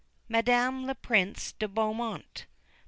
MADAME LEPRINCE DE BEAUMONT.